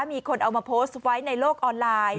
มีคนเอามาโพสต์ไว้ในโลกออนไลน์